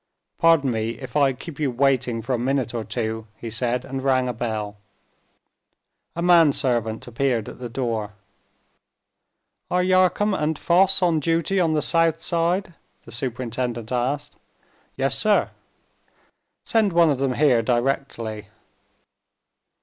"Pardon me if I keep you waiting for a minute or two," he said, and rang a bell. A man servant appeared at the door. "Are Yarcombe and Foss on duty on the south side?" the superintendent asked. "Yes, sir." "Send one of them here directly."